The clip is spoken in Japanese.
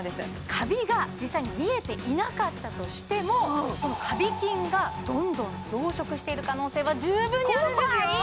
カビが実際に見えていなかったとしてもそのカビ菌がどんどん増殖している可能性は十分にあるんですよ！